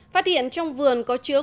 phát hiện trong vườn có chứa